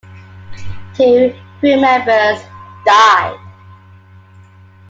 Two crewmembers died.